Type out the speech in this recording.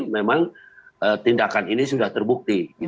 memang tindakan ini sudah terbukti